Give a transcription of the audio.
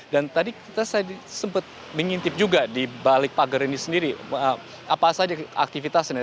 dan tadi saya sempat mengintip juga di balik pagar ini sendiri apa saja aktivitasnya